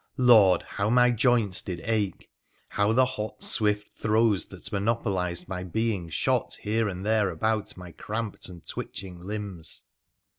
Lord ! how my joints did ache ! how the hot swift throes that monopolised my being shot here and there about my cramped and twitching limbs